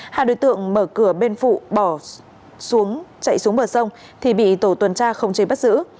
hai đối tượng mở cửa bên phụ chạy xuống bờ sông thì bị tổ tuần tra không chế bắt giữ